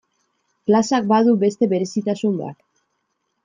Plazak badu beste berezitasun bat.